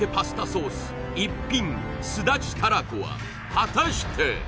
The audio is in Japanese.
果たして！？